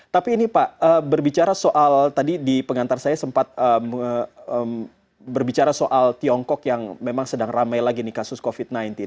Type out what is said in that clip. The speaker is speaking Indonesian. tapi ini pak berbicara soal tadi di pengantar saya sempat berbicara soal tiongkok yang memang sedang ramai lagi nih kasus covid sembilan belas